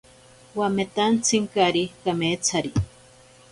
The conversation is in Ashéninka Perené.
Wametantsinkari kametsari.